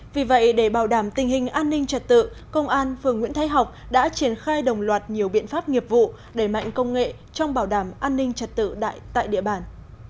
vì vậy để bảo đảm tình hình an ninh trật tự công an phường nguyễn thái học đã triển khai đồng loạt nhiều biện pháp nghiệp vụ đẩy mạnh công nghệ trong bảo đảm an ninh trật tự tại địa bàn